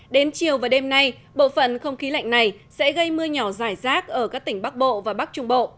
đến chiều và đêm nay bộ phận không khí lạnh này sẽ gây mưa nhỏ rải rác ở các tỉnh bắc bộ và bắc trung bộ